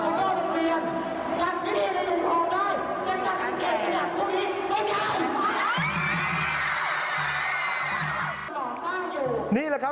วันที่๒๗พคแก่งบนโบวิธีหลุงเกียร์จากวิทยุทธ์สุดท้องได้กระจัดอันเกล็ดขจังข้องนี้ต้องยาว